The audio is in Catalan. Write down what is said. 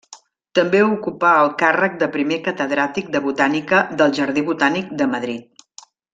També ocupà el càrrec de primer catedràtic de Botànica del Jardí Botànic de Madrid.